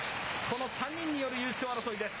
この３人による優勝争いです。